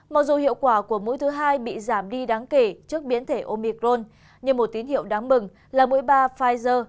mặc dù hiệu quả của mũi thứ hai bị giảm đi đáng kể trước biến thể omicron nhưng một tín hiệu đáng mừng là mũi ba pfizer